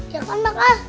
ya kan bakal